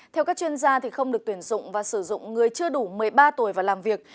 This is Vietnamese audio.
theo các chuyên gia không được tuyển dụng và sử dụng người chưa đủ một mươi ba tuổi và làm việc